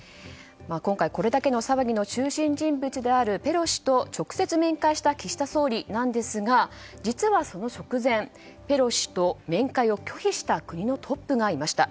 今回、これだけの騒ぎの中心人物であるペロシ氏と直接面会した岸田総理なんですが実はその直前、ペロシ氏と面会を拒否した国のトップがいました。